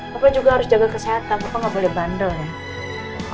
papa juga harus jaga kesehatan papa nggak boleh bandel ya